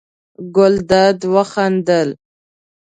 ګلداد وخندل.